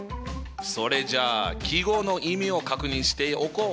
それじゃあ記号の意味を確認しておこう。